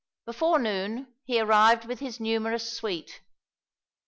Before noon, he arrived with his numerous suite.